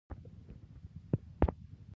دا مواد اطراحیه غړو ته لیږدوي چې له بدن څخه ووځي.